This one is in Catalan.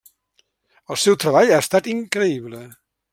El seu treball ha estat increïble.